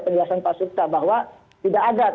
penjelasan pak suka bahwa tidak ada